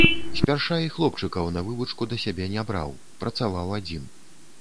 Спярша і хлопчыкаў на вывучку да сябе не браў, працаваў адзін.